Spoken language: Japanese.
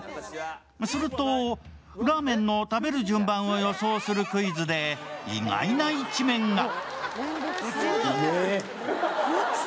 するとラーメンの食べる順番を予想するクイズで意外な一面が。